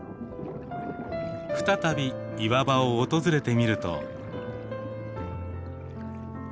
再び岩場を訪れてみると。